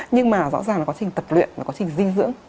nhưng mà rõ ràng là quá trình tập luyện quá trình di dưỡng